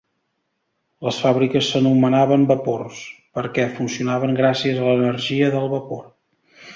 Les fàbriques s'anomenaven vapors, perquè funcionaven gràcies a l'energia del vapor.